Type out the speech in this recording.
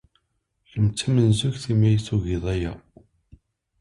Kemm d tamenzugt imi ay tugiḍ aya.